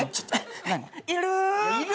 いる？